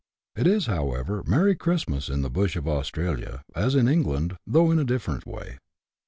It is, however, merry Christmas in the bush of Australia, as in England, though in a different way.